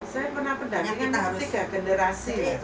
saya pernah pendampingan ketiga generasi